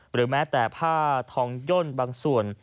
หรือแม้แต่ผ้าทองย่นบางส่วน